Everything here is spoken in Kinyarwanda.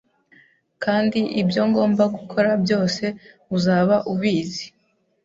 Kandi ibyo ngomba gukora byose uzaba ubizi